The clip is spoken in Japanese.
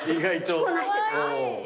着こなしてた？